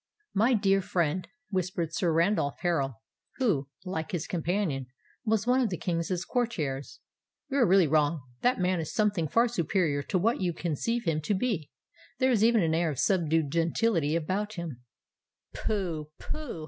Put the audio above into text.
"My dear friend," whispered Sir Randolph Harral—who, like his companion, was one of the King's courtiers, "you are really wrong. That man is something far superior to what you conceive him to be: there is even an air of subdued gentility about him——" "Pooh! pooh!